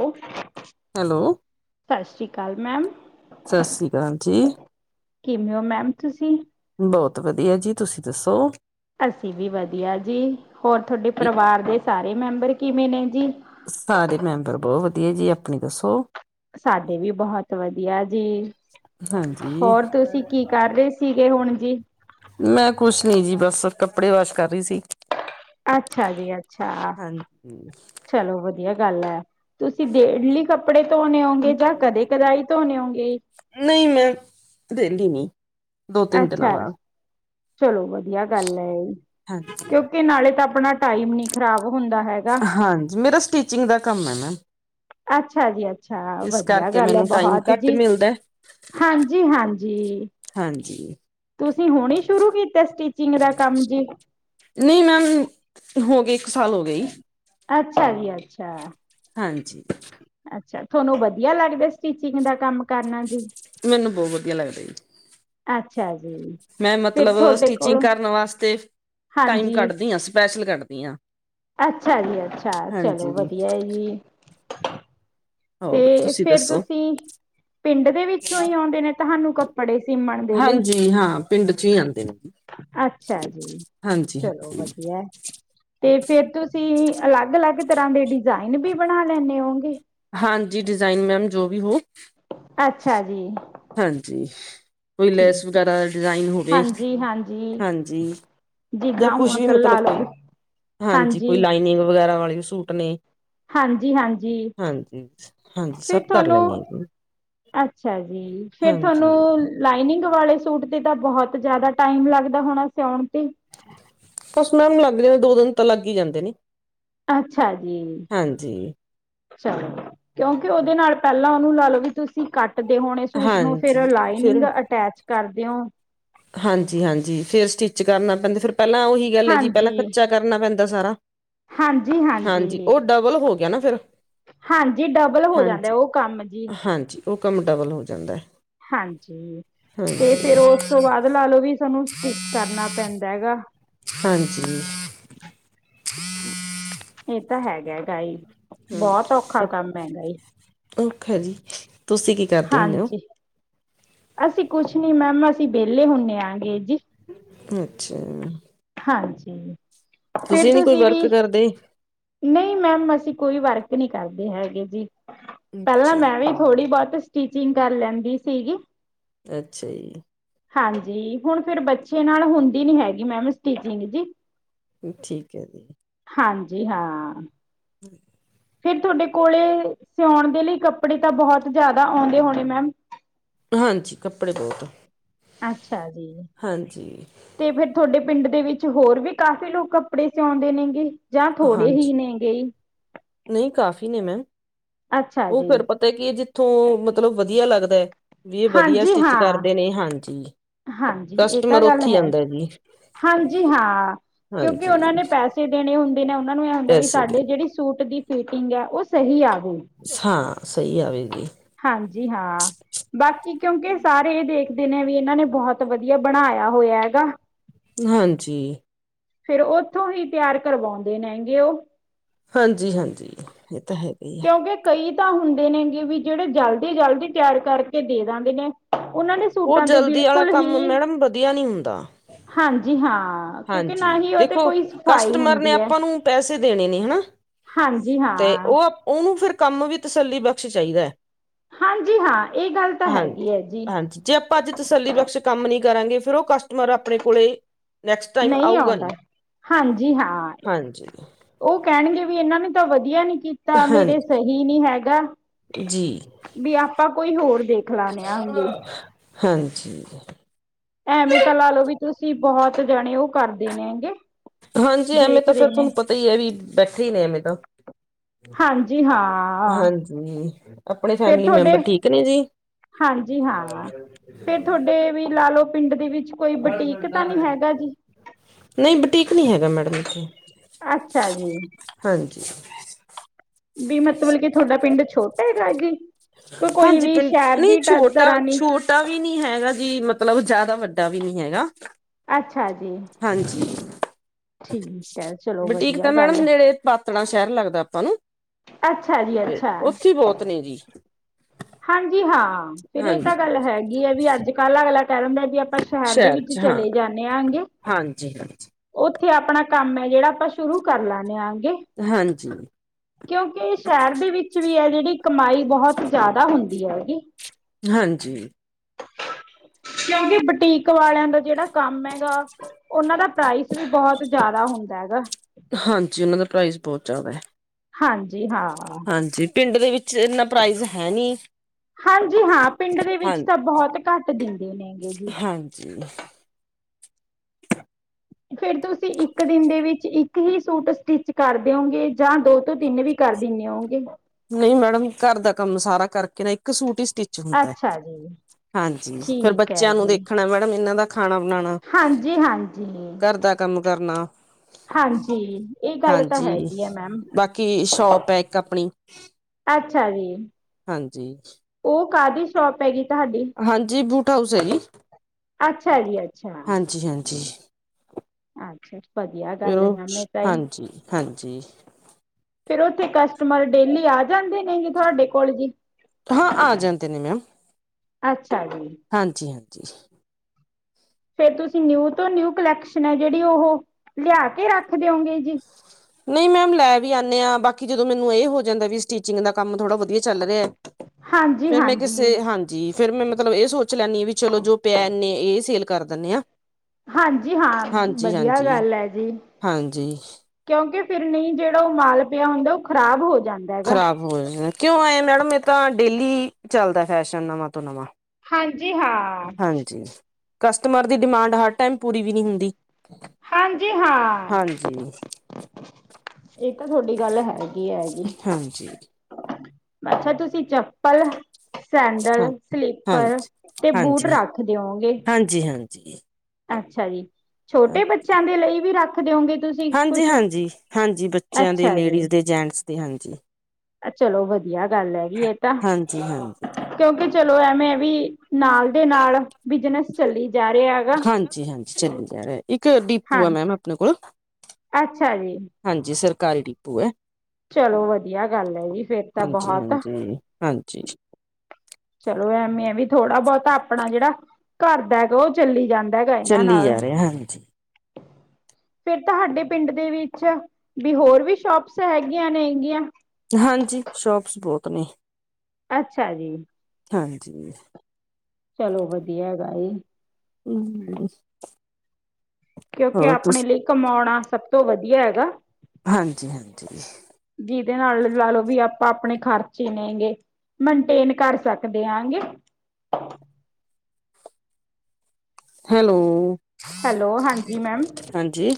ਉਹ ਹੈਲੋ ਸਤਿ ਸ੍ਰੀ ਅਕਾਲ, ਮੈਮ ਸਤਿ ਸ੍ਰੀ ਅਕਾਲ ਜੀ ਕਿਵੇਂ ਹੋ ਮੈਮ, ਤੁਸੀਂ ਬਹੁਤ ਵਧੀਆ ਜੀ, ਤੁਸੀਂ ਦੱਸੋ? ਅਸੀਂ ਵੀ ਵਧੀਆ ਜੀ, ਹੋਰ ਤੁਹਾਡੇ ਪਰਿਵਾਰ ਦੇ ਸਾਰੇ ਮੈਂਬਰ ਕਿਵੇਂ ਨੇ ਜੀ? ਸਾਰੇ ਮੈਂਬਰ ਬਹੁਤ ਵਧੀਆ ਜੀ, ਆਪਣੀ ਦੱਸੋ। ਸਾਡੇ ਵੀ ਬਹੁਤ ਵਧੀਆ ਜੀ। ਹਾਂਜੀ ਹੋਰ ਤੁਸੀਂ ਕੀ ਕਰ ਰਹੇ? ਸੀਗੇ। ਹੁਣ ਜੀ ਮੈਂ ਕੁਛ ਨੀ ਜੀ, ਬੱਸ ਕੱਪੜੇ ਵਾਸ਼ ਕਰ ਰਹੀ ਸੀ। ਅੱਛਾ ਜੀ -ਅੱਛਾ ਹਾਂਜੀ। ਚਲੋ ਵਧੀਆ ਗੱਲ ਹੈ। ਤੁਸੀਂ ਡੇਲੀ ਕੱਪੜੇ ਧੋਣੇ ਹੋਗੇ, ਜਾਂ ਕਦੇ ਕਦਾਈ ਧੋਣੇ ਹੋਗੇ। ਨਹੀਂ -ਨਹੀਂ ਡੇਲੀ ਨੀ, ਦੋ- ਤਿੰਨ, ਦਿਨਾਂ ਅੱਛਾ ਬਾਅਦ। ਚਲੋ ਵਧੀਆ, ਗੱਲ ਹੈ। ਹਾਂਜੀ ਕਿਉਂਕਿ ਨਾਲੇ ਤਾਂ ਆਪਣਾ ਟਾਈਮ ਨੀ ਖ਼ਰਾਬ ਹੁੰਦਾ ਹੈਗਾ ਹਾਂਜੀ, ਮੇਰਾ ਸਟੀਚਿੰਗ ਦਾ ਕੰਮ ਹੈ। ਮੈਮ ਅੱਛਾ ਜੀ- ਅੱਛਾ ਇਸ ਵਧੀਆ ਕਰਕੇ ਗੱਲ ਹੈ। ਮੈਨੂੰ ਟਾਈਮ ਬਹੁਤ ਘੱਟ ਜੀ, ਮਿਲਦਾ ਹਾਂਜੀ- ਹਾਂਜੀ ਹਾਂਜੀ। ਤੁਸੀਂ ਹੁਣ ਸ਼ੁਰੂ ਕੀਤਾ। ਸਟੀਚਿੰਗ ਦਾ ਕੰਮ ਜੀ। ਨਹੀਂ ਮੈਮ, ਹੋ ਗਏ ਇੱਕ ਸਾਲ ਹੋ ਗਏ। ਅੱਛਾ ਜੀ -ਅੱਛਾ ਹਾਂਜੀ। ਅੱਛਾ, ਤੁਹਾਨੂੰ ਵਧੀਆ ਲੱਗਦਾ। ਸਟਿਚਿੰਗ ਦਾ ਕੰਮ ਕਰਨਾ ਜੀ। ਮੈਨੂੰ ਬਹੁਤ ਵਧੀਆ ਲੱਗਦਾ ਜੀ। ਅੱਛਾ ਜੀ। ਮੈਂ ਫਿਰ ਮਤਲਬ ਤੁਹਾਡੇ ਸਟੀਚਿੰਗ ਕੋਲੋਂ ਕਰਨ ਵਾਸਤੇ ਟਾਈਮ ਹਾਂਜੀ ਕੱਢਦੀ ਹਾਂ। ਸਪੈਸ਼ਲ ਕੱਢਦੀ ਹਾਂ। ਅੱਛਾ ਜੀ- ਅੱਛਾ। ਚਲੋ ਹਾਂਜੀ ਵਧੀਆ ਹੈ। ਜੀ ਹੋਰ ਤੇ ਤੁਸੀਂ ਫੇਰ ਦੱਸੋ ਤੁਸੀਂ ਪਿੰਡ ਦੇ ਵਿੱਚੋਂ ਹੀ, ਆਉਂਦੇ ਨੇ, ਤੁਹਾਨੂੰ ਕੱਪੜੇ ਸੀਮਣ ਦੇ ਲਈ ਹਾਂਜੀ, ਹਾਂ। ਪਿੰਡ ਚ, ਹੀ ਆਉਂਦੇ ਨੇ। ਜੀ ਅੱਛਾ ਜੀ, ਚਲੋ ਵਧੀਆ। ਤੇ ਫਿਰ ਤੁਸੀਂ ਤੁਸੀਂ ਅਲੱਗ-ਅਲੱਗ ਤਰ੍ਹਾਂ ਦੇ ਡਿਜ਼ਾਇਨ ਵੀ ਬਣਾ ਲੈਂਦੇ ਹੋਗੇ। ਹਾਂਜੀ, ਡਿਜ਼ਾਇਨ ਮੈਮ ਜੋ ਵੀ ਹੋ। ਅੱਛਾ ਜੀ। ਹਾਂਜੀ, ਕੋਈ ਲੈਸ ਠੀਕ ਹੈ ਵਗੈਰਾ ਡਿਜ਼ਾਇਨ ਹੋਵੇ। ਹਾਂਜੀ ਜਾਂ ਜਿੱਦਾਂ ਕੁਛ ਹੁਣ ਵੀ, ਕੱਲ ਮਤਲਬ ਲਾ ਕੋਈ ਲਓ ਹਾਂਜੀ। ਕੋਈ ਲਾਈਨਿੰਗ ਵਗੈਰਾ ਵਾਲੇ ਸੂਟ ਨੇ। ਹਾਂਜੀ ਹਾਂਜੀ ਹਾਂਜੀ- ਹਾਂਜੀ। ਫਿਰ ਸਭ ਕਰ ਤੁਹਾਨੂੰ ਲੈਣੀ ਆ। ਅੱਛਾ ਜੀ। ਫੇਰ ਹਾਂਜੀ ਤੁਹਾਨੂੰ ਲਾਈਨਿੰਗ ਵਾਲੇ ਸੂਟ ਤੇ ਤਾਂ, ਬਹੁਤ ਜ਼ਿਆਦਾ ਟਾਈਮ ਲੱਗਦਾ ਹੋਣਾ ਸਿਆਉਣ ਤੇ। ਬੱਸ ਮੈਮ ਲੱਗ ਜਾਂ ਦੋ ਦਿਨ ਤਾਂ ਲੱਗ ਹੀ ਜਾਂਦੇ ਨੇ। ਅੱਛਾ ਜੀ ਹਾਂਜੀ -ਅੱਛਾ। ਕਿਉਂਕਿ ਉਹਦੇ ਨਾਲ ਪਹਿਲਾਂ ਉਹਨੂੰ ਲਾ ਲਓ। ਵੀ ਤੁਸੀਂ ਕੱਟਦੇ ਹੋਣੇ ਸੂਟ ਨੂੰ ਫੇਰ, ਹਾਂਜੀ ਲਾਈਨਿੰਗ ਅਟੈਚ ਕਰਦੇ ਓ ਹਾਂਜੀ-ਹਾਂਜੀ ਫੇਰ ਸਟਿੱਚ ਕਰਨਾ ਪੈਂਦਾ ਫਿਰ ਪਹਿਲਾਂ ਉਹੀ ਗੱਲ ਏ ਜੀ ਪਹਿਲਾਂ ਹਾਂਜੀ ਕੱਚਾ ਕਰਨਾ ਪੈਂਦਾ ਸਾਰਾ। ਹਾਂਜੀ ਉਹ ਡਬਲ ਹੋ ਗਿਆ ਨਾ ਫੇਰ। ਹਾਂਜੀ ਡਬਲ ਹੋ ਜਾਂਦਾ ਉਹ ਕੰਮ ਜੀ। ਹਾਂਜੀ ਉਹ ਕੰਮ ਡਬਲ ਹੋ ਜਾਂਦਾ। ਹਾਂਜੀ, ਤੇ ਫਿਰ ਹਾਂਜੀ ਉਸ ਤੋਂ ਬਾਅਦ ਲਾ ਲਓ ਵੀ ਸਾਨੂੰ ਸਟਿਚ ਕਰਨਾ ਪੈਂ ਦਾ ਹੈਗਾ। ਹਾਂਜੀ। ਇਹ ਤਾਂ ਹੈਗਾ ਗਾ ਈ। ਬੌਤ ਔਖਾ ਹਾਂਜੀ ਕੰਮ ਐਗਾ ਈ। ਔਖਾ ਜੀ, ਤੁਸੀਂ ਕੀ ਕਰਦੇ ਹੁੰਨੇ ਓ? ਹਾਂਜੀ ਅਸੀਂ ਕੁਛ ਨੀ ਮੈਮ ਅਸੀਂ ਵੇਲੇ ਹੁੰਨੇ ਆਾਂਗੇ ਜੀ। ਅੱਛਾ। ਹਾਂਜੀ, ਫਿਰ ਨੀ ਕੋਈ ਤੁਸੀਂ ਵੀ ਵਰਕ ਕਰਦੇ ਨਈ ਮੈਮ ਅਸੀਂ ਕੋਈ ਵਰਕ ਨਹੀਂ ਕਰਦੇ ਹੈਗੇ ਜੀ, ਪਹਿਲਾਂ ਅੱਛਾ ਜੀ ਮੈਂ ਵੀ ਥੋੜ੍ਹੀ ਬੋਤ ਸਟੀਚਿੰਗ ਕਰ ਲੈਂਦੀ ਸੀਗੀ। ਅੱਛਾ ਜੀ। ਹਾਂਜੀ, ਹੁਣ ਫਿਰ ਬੱਚੇ ਨਾਲ ਹੁੰਦੀ ਨੀ ਹੈਗੀ ਮੈਮ ਸਟੀਚਿੰਗ ਜੀ। ਠੀਕ ਐ ਜੀ। ਹਾਂਜੀ ਹਾਂ। [inaudible] ਫਿਰ ਤੁਹਾਡੇ ਕੋਲੇ ਸਿਆਉਣ ਦੇ ਲਈ ਕੱਪੜੇ ਤਾਂ ਬਹੁਤ ਜ਼ਿਆਦਾ ਆਉਂਦੇ ਹੋਣੇ ਮੈਮ? ਹਾਂਜੀ, ਕੱਪੜੇ ਬੋਤ, ਅੱਛਾ ਜੀ ਹਾਂਜੀ। ਤੇ ਫਿਰ ਥੋਡੇ ਪਿਂਡ ਦੇ ਵਿੱਚ ਹੋਰ ਵੀ ਕਾਫੀ ਲੋਕ ਕੱਪੜੇ ਸਿਆਉਂਦੇ ਨੇਗੇ ਜਾਂ ਥੋੜੇ ਹੀ ਨੇ? ਗੇਈ। ਨਈ ਕਾਫ਼ੀ ਨੇ ਮੈਮ, ਅੱਛਾ ਉਹ ਜੀ, ਫੇਰ ਪਤਾ ਕੀ ਜਿੱਥੋਂ ਮਤਲਬ ਵਧੀਆ ਲੱਗਦਾ ਵੀ ਇਹ ਵਧੀਆ ਹਾਂਜੀ ਸਟਿੱਚ ਹਾਂ, ਕਰਦੇ ਨੇ ਹਾਂਜੀ। ਹਾਂਜੀ ਇਹ ਤਾਂ ਕਸਟਮਰ ਗੱਲ ਉੱਥੇ ਹੈ, ਆਉਂਦਾ ਜੀ ਹਾਂਜੀ ਹਾਂ, ਕਿਉਂਕਿ ਹਾਂਜੀ ਉਹਨਾਂ ਨੇ ਪੈ ਪੈਸੇ ਦੇਨੇ ਹੁੰਦੇ ਨੇ ਉਹਨਾਂ ਨੂੰ ਐਹ ਹੁੰਦਾ ਵੀ ਪੈਸੇ ਦੇ ਸਾਡੇ ਜਿਹੜੀ ਸੂਟ ਦੀ ਫਿਟਿੰਗ ਐ ਉਹ ਸਹੀ ਆ ਗਈ। ਹਾਂ, ਸਹੀ ਆਵੇ ਜੀ। ਹਾਂਜੀ ਹਾਂ, ਬਾਕੀ ਕਿਉਂਕਿ ਸਾਰੇ ਇਹ ਦੇਖਦੇ ਨੇ ਵੀ ਇਹਨਾਂ ਨੇ ਬਹੁਤ ਵਧੀਆ ਬਣਾਇਆ ਹੋਇਆ ਗਾ। ਹਾਂਜੀ। ਫੇਰ ਉਥੋਂ ਹੀ ਤਿਆਰ ਕਰਵਾਉਂਦੇ ਨੈਂਗੇ ਉਹ। ਹਾਂਜੀ-ਹਾਂਜੀ ਇਹ ਤਾਂ ਹੈ। ਹੀ ਕਿਉਂਕਿ ਕਈ ਤਾਂ ਹੁੰਦੇ ਨੇਗੇ ਵੀ ਜਿਹੜੇ ਜਲਦੀ-ਜਲਦੀ ਤਿਆਰ ਕਰਕੇ ਦੇ ਜਾਂਦੇ ਨੇ, ਉਹਨਾਂ ਨੇ ਉਹ ਜਲਦੀ ਆਲਾ ਕੰਮ ਮੈਡਮ ਵਧੀਆ ਨੀ ਹੁੰਦਾ। ਹਾਂਜੀ ਹਾਂ। ਕਿਉਕਿ ਨਾ ਹਾਂਜੀ ਹੀ ਉਹ ਤੇ ਦੇਖੋ ਕੋਈ ਸਫਾ਼ਈ ਕਸਟਮਰ ਨੇ ਹੁੰਦੀ ਐ। ਆਪਾਂ ਨੂੰ ਪੈਸੇ ਦੇਣੇ ਨੇ ਹਨਾ ਹਾਂਜੀ ਤੇ ਹਾਂ। ਉਹ ਉਹਨੂੰ ਫਿਰ ਕੰਮ ਵੀ ਤਸੱਲੀ ਬਖਸ਼ ਚਾਹੀਦਾ। ਹਾਂਜੀ ਹਾਂ ਇਹ ਗੱਲ ਤਾਂ ਹਾਂਜੀ ਹੈਗੀ ਐ ਜੀ। ਹਾਂਜੀ ਜੇ ਆਪਾਂ ਅੱਜ ਤਸੱਲੀ ਬਖਸ਼ ਕੰਮ ਨੀ ਕਰਾਂਗੇ ਫਿਰ ਉਹ ਕਸਟਮਰ ਆਪਣੇ ਕੋਲੇ ਨੈਕਸਟ ਟਾਈਮ ਨਈ ਆਊਗਾ ਆਉਂਦਾ, ਨੀ ਹਾਂਜੀ ਹਾਂ। ਹਾਂਜੀ ਉਹ ਕਹਿਣਗੇ ਵੀ ਇਨਾਂ ਨੇ ਤਾਂ ਵਧੀਆ ਨੀ ਕੀ ਤਾਂ ਮੇਰੇ ਹਾਂਜੀ ਸਹੀ ਨੀ ਹੈਗਾ, ਜੀ ਵੀ ਆਪਾਂ ਕੋਈ ਹੋਰ ਵੇਖ ਹਾਂਜੀ। ਐਵੇਂ ਤਾਂ ਲਾ ਲੋਓ ਵੀ ਤੁਸੀਂ ਬਹੁਤ ਜਾਣੇ ਓਹ ਕਰਦੇ ਨੇਗੇ। ਹਾਂਜੀ ਐਵੇਂ ਤਾਂ ਫੇਰ ਤੁਹਾਨੂੰ ਪਤਾ ਈ ਐ ਵੀ ਬੈਠੇ ਈ ਨੇ ਐਂਵੇ ਤਾਂ। ਹਾਂਜੀ ਹਾਂ। ਹਾਂਜੀ, ਆਪਣੇ ਫੇਰ ਫੈਮਲੀ ਤੁਹਾਡੇ ਮੈਂਬਰ ਠੀਕ ਨੇ ਜੀ। ਹਾਂਜੀ ਹਾਂ, ਤੇ ਤੁਹਾਡੇ ਵੀ ਲਾ ਲਓ ਪਿੰਡ ਦੇ ਵਿੱਚ ਕੋਈ ਬਟੀਕ ਤਾ ਨੀ ਹੈਗਾ ਜੀ? ਨਈ ਬਟੀਕ ਨੀ ਹੈਗਾ ਮੈਡਮ ਇੱਥੇ। ਅੱਛਾ ਜੀ। ਹਾਂਜੀ। ਵੀ ਮਤਬਲ ਕਿ ਤੁਹਾਡਾ ਪਿੰਡ ਛੋਟਾ ਹੈਗਾ ਕੀ। ਹਾਂਜੀ ਪਿੰਡ ਨਈ ਛੋਟਾ ਤਰ੍ਹਾਂ ਨੀ ਛੋਟ ਤਾ ਵੀ ਨੀ ਹੈਗਾ ਜੀ ਮਤਲਬ ਜ਼ਿਆਦਾ ਵੱਡਾ ਵੀ ਨੀ ਹੈਗਾ। ਅੱਛਾ ਜੀ। ਹਾਂਜੀ, ਠੀਕ ਹੈ ਚਲੋ ਬਟੀਕ ਵਧੀਆ ਤਾਂ ਮੈਡਮ ਗੱਲ ਨੇੜੇ ਪਾਤੜਾਂ ਸੈ਼ਹਰ ਲੱਗਦਾ ਆਪਾਂ ਨੂੰ, ਅੱਛਾ ਜੀ ਅੱਛਾ ਓਥੇ੍ ਈ ਬਹੁਤ ਨੇ ਜੀ ਹਾਂਜੀ ਹਾਂ, ਫਿਰ ਏਹ ਤਾਂ ਹਾਂਜੀ ਗੱਲ ਹੈਗੀ ਐ, ਵੀ ਅੱਜ-ਕੱਲ ਅਗਲਾ ਕੈਹ ਦਿੰਦਾ ਵੀ ਆਪਾਂ ਸੈ਼ਹਰ ਦੇ ਸ਼ਹਿਰ ਵਿੱਚ ਚ ਹਾਂ ਚਲੇ ਜਾਂਣੇ ਆਂਗੇ ਹਾਂਜੀ ਹਾਂਜੀ ਓਥੇ ਆਪਣਾ ਕੰਮ ਹੈ, ਜੇਹੜਾ ਆਪਾਂ ਸ਼ੁਰੂ ਕਰ ਲੈਣੇ ਆਗੇ ਹਾਂਜੀ। ਕਿਉਂਕਿ ਸੈ਼ਹਰ ਦੇ ਵਿੱਚ ਵੀ ਐ ਜੇਹੜੀ ਕਮਾਈ ਬਹੁਤ ਜ਼ਿਆਦਾ ਹੁੰਦੀ ਹੈਗੀ। ਹਾਂਜੀ। ਕਿਉਂਕਿ ਬਟੀਕ ਵਾਲੇਆਂ ਦਾ ਜੇਹੜਾ ਕੰਮ ਐਗਾ ਓੱਨਾਂ ਦਾ ਪ੍ਰਾਈਸ ਵੀ ਬਹੁਤ ਜੇਆਦਾ ਹੁੰਦਾ ਹੈਗਾ ਹਾਂਜੀ ਉੱਨਾਂ ਦਾ ਪ੍ਰਾਈਜ਼ ਬਹੁਤ ਜੇਆਦਾ ਹੈ। ਹਾਂਜੀ ਹਾਂ। ਹਾਂਜੀ, ਪਿੰਡ ਦੇ ਵਿੱਚ ਇੱਨਾ ਪ੍ਰਾਈਜ਼ ਹੈ ਨੀ। ਹਾਂਜੀ ਹਾਂ, ਪਿੰਡ ਦੇ ਹਾਂ ਵਿੱਚ ਤਾਂ ਬਹੁਤ ਘੱਟ ਦਿੰਦੇ ਨੇ ਗੇ ਜੀ। ਹਾਂਜੀ। ਫੇਰ ਤੁਸੀਂ ਇੱਕ ਦਿਨ ਦੇ ਵਿੱਚ ਇੱਕ ਹੀ ਸੂਟ ਸਟਿਚ ਕਰਦੇ ਓਂਗੇ, ਜਾਂ ਦੋ ਤੋਂ ਤਿੰਨ ਵੀ। ਕਰ ਦਿੰਨੇ ਓਂਗੇ। ਨਹੀਂ ਮੈਡਮ, ਘਰ ਦਾ ਕੰਮ ਸਾਰਾ ਕਰਕੇ ਨਾ ਇੱਕ ਸੂਟ ਹੀ ਸਟਿਚ ਹੁੰਦਾ ਹੈ ਅੱਛਾ ਜੀ। ਹਾਂਜੀ, ਫੇਰ ਠੀਕ ਹੈ ਬੱਚੇਆਂ ਨੂੰ ਜੀ ਦੇਖਣੈ ਮੈਡਮ, ਇਹਨਾਂ ਦਾ ਖਾਣਾ ਬਣਾਣਾ, ਹਾਂਜੀ ਹਾਂਜੀ ਘਰ ਦਾ ਕੰਮ ਕਰਨਾ ਹਾਂਜੀ, ਏਹ ਗੱਲ ਤਾਂ ਹੈਗੀ ਐ ਮੈਮ ਕੀ ਸ਼ੋਪ ਐ ਇੱਕ ਆਪਣੀ। ਅੱਛਾ ਜੀ। ਹਾਂਜੀ। ਓਹ ਕਾਹਦੀ ਸ਼ੋਪ ਹੈਗੀ ਤੁਹਾਡੀ। ਹਾਂਜੀ ਬੂਟ ਹਾਊਸ ਹੈ ਜੀ। ਅੱਛਾ ਜੀ ਅੱਛਾ। ਹਾਂਜੀ-ਹਾਂਜੀ। ਅੱਛਾ ਵਧੀਆ ਫਿਰ ਗੱਲ ਐ ਉਹ ਮੈਮ ਏ ਤਾਂ ਏ। ਹਾਂਜੀ ਹਾਂਜੀ ਫੇਰ ਓੱਥੇ ਕਸਟਮਰ ਡੇਲੀ ਆ ਜਾਂਦੇ ਨੇ ਜੀ, ਤੁਹਾਡੇ ਕੋਲ ਜੀ ਹਾਂ ਆ ਜਾਂਦੇ ਨੇ ਮੈਮ ਅੱਛਾ ਜੀ। ਹਾਂਜੀ- ਹਾਂਜੀ। ਫੇਰ ਤੁਸੀਂ ਨਿਊ ਤੋਂ ਨਿਊ ਕਲੈਕਸ਼ਨ ਹੈ ਜੇੜੀ ਉਹੋ ਲਿਆ ਕੇ ਰੱਖ ਦਿਓਗੇ ਜੀ। ਨਈ ਮੈਮ ਲੈ ਵੀ ਆਨੇ ਆਂ, ਬਾਕੀ ਜਦੋਂ ਮੈਨੂੰ ਏਹ ਹੋ ਜਾਂਦਾ ਵੀ ਸਟੀਚਿੰਗ ਦਾ ਕੰਮ ਥੋੜਾ ਵਧੀਆ ਚੱਲ ਰਿਹਾ ਹਾਂ। ਫੇਰ ਮੈਂ ਕਿਸੇ ਹਾਂਜੀ, ਫੇਰ ਮੈਂ ਮਤਲਬ ਏ ਸੋਚ ਲੈਂਨੀ ਆਂ, ਵੀ ਚਲੋ ਜੋ ਪਿਆ ਇਨੇ ਏ ਸੇਲ ਕਰ ਦਿੰਨੇ ਆਂ। ਹਾਂਜੀ ਹਾਂ ਵਧੀਆ ਗੱਲ ਏ ਜੀ। ਹਾਂਜੀ ਕਿਉਂਕਿ ਫੇਰ ਨਈ ਜੇੜਾ ਉ ਮਾਲ ਪਿਆ ਹੁੰਦੈ ਉ ਖ਼ਰਾਬ ਹੋ ਜਾਂ ਖ਼ਰਾਬ ਹੋ ਜਾਂ, ਕਿਉਂ ਆਏ ਮੈੜਮ ਏ ਤਾਂ ਡੇਲੀ ਚੱਲਦਾ ਫੈਸ਼ਨ ਨਵਾਂ ਤੋਂ ਨਵਾਂ। ਹਾਂਜੀ ਹਾਂ। ਹਾਂਜੀ ਕਸਟਮਰ ਦੀ ਡਿਮਾਂਡ ਹਰ ਟੈਮ ਪੂਰੀ ਵੀ ਨੀ ਹੁੰਦੀ। ਹਾਂਜੀ ਹਾਂ, ਹਾਂਜੀ ਏ ਤਾਂ ਤੁਆਡੀ ਗੱਲ ਹੈ। ਕੀ ਹੈਗੀ। ਹਾਂਜੀ। ਅੱਛਾ ਤੁਸੀਂ ਚੱਪਲ ਸੈਂਡਲ, ਹਾਂ ਸਲੀਪਰ ਹਾਂਜੀ ਤੇ ਬੂਟ ਰੱਖ ਦਿਓਂਗੇ ਜੀ ਹਾਂਜੀ। ਅੱਛਾ ਜੀ‌। ਛੋਟੇ ਬੱਚਿਆਂ ਦੇ ਲਈ ਵੀ ਰੱਖ ਦਿਓਂਗੇ ਤੁਸੀਂ? ਹਾਂਜੀ- ਕੁਛ ਹਾਂਜੀ-ਹਾਂਜੀ। ਬੱਚਿਆਂ ਦੇ, ਅੱਛਾ ਜੀ। ਲੇਡੀਜ਼ ਦੇ, ਜੈਂਟਸ ਦੇ ਹਾਂਜੀ। ਚਲੋ ਵਧੀਆ ਗੱਲ ਹੈਗੀ ਏ ਤਾਂ। ਹਾਂਜੀ ਹਾਂਜੀ ਕਿਉਂਕਿ ਚਲੋ ਐਵੇਂ ਵੀ ਨਾਲ ਦੇ ਨਾਲ ਬਿਜਨਸ ਚੱਲੀ ਜਾ ਰਿਆ ਹਾਂਜੀ-ਹਾਂਜੀ ਚੱਲੀ ਜਾ ਰਿਆ, ਇੱਕ ਡੀਪੂ ਹਾਂ ਏ ਮੈਮ ਅਪਨੇ ਕੋਲ। ਅੱਛਾ ਜੀ। ਹਾਂਜੀ ਸਰਕਾਰੀ ਡੀਪੂ ਏ। ਚਲੋ ਵਧੀਆ ਗੱਲ ਐ ਜੀ ਫੇਰ ਤਾਂ ਹਾਂਜੀ ਬਹੁਤ। ਹਾਂਜੀ [unintelligible] ਚਲੋ ਐਵੇਂ ਐ ਵੀ ਥੋੜਾ ਬਹੁਤਾ ਆਪਣਾ ਜੇੜਾ ਘਰ ਬੈ ਉ ਚੱਲੀ ਜਾਂਦਾ ਹੈਗਾ ਏਨਾਂ ਚੱਲੀ ਨਾਲ। ਜਾ ਰਿਹਾ ਹਾਂਜੀ ਫੇਰ ਤੁਹਾਡੇ ਪਿੰਡ ਦੇ ਵਿੱਚ ਬੀ ਹੋਰ ਵੀ ਸ਼ੋਪਸ ਹੈਗੀਆਂ ਨੇ ਹੈਗੀਆਂ। ਹਾਂਜੀ ਸ਼ੋਪਸ ਬੋਤ ਨੇ। ਅੱਛਾ ਜੀ। ਹਾਂਜੀ। ਚਲੋ ਵਧੀਆ ਹੈਗਾ ਏ। ਹੂੰ। ਕਿਉਂਕਿ ਆਪਣੇ ਲਈ ਕਮਾਉਣਾ ਸਭ ਤੋਂ ਵਧੀਆ ਹੈਗਾ। ਹਾਂਜੀ-ਹਾਂਜੀ। ਜਿਦੇ ਨਾਲ ਲਾ ਲੋ ਵੀ ਆਪਾਂ ਆਪਣੇ ਖਰਚ ਈ ਨੇਗੇ। ਮਨਟੇਨ ਕਰ ਸਕਦੇ ਆਂਗੇ। ਹੈਲੋ। ਹੈਲੋ ਹਾਂਜੀ ਮੈਮ। ਹਾਂਜੀ?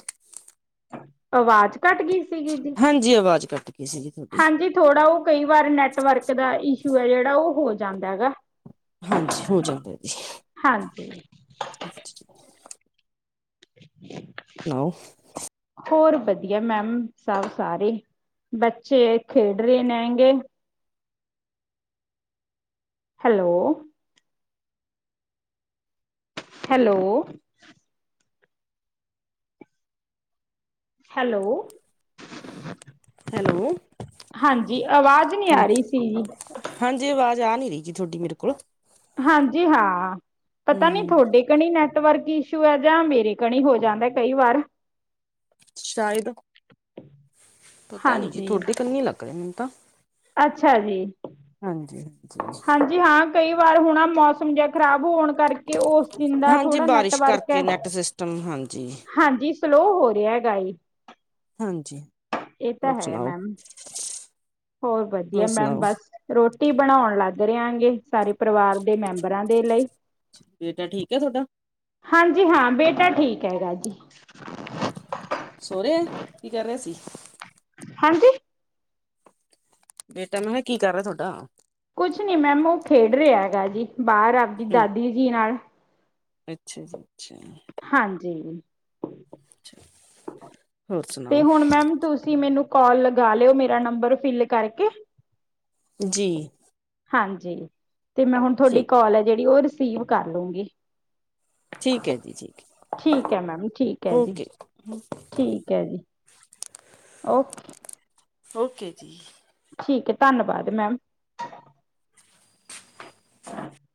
ਆਵਾਜ਼ ਘੱਟ ਗੀ ਸੀਗੀ ਜੀ। ਜੀ ਆਵਾਜ਼ ਕੱਟ ਕੇ ਸੀਗੀ। ਤੁਹਾਡੀ ਹਾਂਜੀ ਥੋੜਾ ਉ ਕਈ ਵਾਰ ਨੈਟਵਰਕ ਦਾ ਇਸ਼ੂ ਏ ਜੇੜਾ ਉ ਹੋ ਜਾਂਦਾ ਹੈਗਾ। ਹਾਂਜੀ ਹੋ ਜਾਂਦੈ ਜੀ। ਹਾਂਜੀ [inaudible] [unintelligible] ਹੋਰ ਵਧੀਆ ਮੈਮ ਸਭ ਸਾਰੇ। ਬੱਚੇ ਖੇਡਰੇ ਨੇਗੇ ਹੈਲੋ ਹੈਲੋ ਹੈਲੋ ਹੈਲੋ ਹਾਂਜੀ ਆਵਾਜ਼ ਨੀ ਹਾਂ ਆ ਰਹੀ ਸੀ ਜੀ। ਹਾਂਜੀ ਆਵਾਜ਼ ਆ ਨੀ ਰਹੀ ਜੀ ਤੁਹਾਡੀ ਮੇਰੇ ਕੋਲ। ਹਾਂਜੀ ਹਾਂ ਪਤਾ ਨੀ ਹੂੰ ਤੁਹਾਡੇ ਪਤਾ ਨੀ ਨੈਟਵਰਕ ਇਸ਼ੂ ਆ ਜਾਂ ਮੇਰੇ ਕਣੀ ਹੋ ਜਾਂਦਾ ਕਈ ਵਾਰ। ਸ਼ਾਇਦ। ਪਤਾ ਨੀ ਜੀ ਹਾਂਜੀ ਤੁਹਾਡੇ ਕੰਨੀ ਲੱਗ ਰਿਆ ਮੈਨੂੰ ਤਾਂ। ਅੱਛਾ ਜੀ। ਹਾਂਜੀ ਹਾਂਜੀ। ਜੀ ਹਾਂ ਕਈ ਵਾਰ ਹੁਣਾ ਮੌਸਮ ਜਿਆ ਖ਼ਰਾਬ ਹੋਣ ਕਰਕੇ ਕੇ ਉਸ ਦਿਨ ਦਾ ਹਾਂਜੀ ਥੋੜਾ ਬਾਰਿਸ਼ ਨੈਟਵਰਕ, ਕਰਕੇ ਨੈਟ ਸਿਸਟਮ ਹਾਂਜੀ ਹਾਂਜੀ। ਸਲੋਅ ਹੋ ਰਿਹਾ ਹੈਗਾ ਏ। ਹਾਂਜੀ ਇਹ ਤਾਂ ਹੋਰ ਹੈ ਸੁਣਾਓ ਮੈਮ, ਹੋਰ ਵਧੀਆ ਮੈਮ ਬਸ। ਰੋਟੀ ਬਣਾਉਣ ਲੱਗ ਰਿਹਾ ਗੇ ਸਾਰੇ ਪਰਿਵਾਰ ਦੇ ਮੈਂਬਰਾਂ ਦੇ ਲਈ। ਬੇਟਾ ਠੀਕ ਹੈ ਤੁਹਾਡਾ? ਹਾਂਜੀ ਹਾਂ ਬੇਟਾ ਠੀਕ ਹੈਗਾ ਜੀ। ਸੋ ਰਿਆ ਕੀ ਕਰ ਰਿਹਾ ਸੀ। ਹਾਂਜੀ? ਬੇਟਾ ਮੈਂ ਕਿਆ ਕੀ ਕਰ ਰਿਹਾ ਤੁਹਾਡਾ? ਕੁਛ ਨੀ ਮੈਮ ਉਹ ਖੇਡ ਰਿਹਾ ਹੈਗਾ ਜੀ, ਬਾਹਰ ਆਪਦੀ ਦਾਦੀ ਜੀ ਨਾਲ। ਅੱਛਾ ਜੀ ਅੱਛਾ। ਹਾਂਜੀ। ਅੱਛਾ। ਹੋਰ ਤੇ ਸੁਣਾਓ ਹੁਣ ਮੈਮ ਤੁਸੀਂ ਮੈਨੂੰ ਕੋਲ ਲਗਾ ਲਿਓ, ਮੇਰਾ ਨੰਬਰ ਫਿਲ ਕਰਕੇ। ਜੀ। ਹਾਂਜੀ ਤੇ ਮੈਂ ਹੁਣ ਤੁਹਾਡੀ ਠੀਕ ਹੈ ਕੋਲ ਆ ਜਿਹੜੀ ਉਹ ਰਿਸੀਵ ਕਰ ਲੂਗੀ। ਠੀਕ ਹੈ ਜੀ, ਠੀਕ ਹੈ। ਠੀਕ ਹੈ ਮੈਮ, ਠੀਕ ਹੈ ਜੀ, ਓਕੇ ਠੀਕ ਹੈ ਜੀ। ਓਕੇ। ਓਕੇ ਜੀ। ਠੀਕ ਹੈ ਧੰਨਵਾਦ ਮੈਮ। [inaudible]